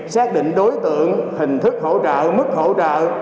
xác định đối tượng hình thức hỗ trợ mức hỗ trợ